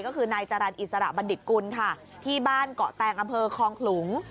ก็คือนายจรรย์อิสระบัณฑิตกุลค่ะที่บ้านเกาะแตงอำเภอคลองขลุง